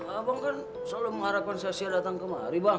abang kan selalu mengharapkan saya siap datang kemari bang